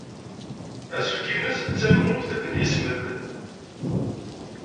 Asefk-nnes d tammumt n yesmed.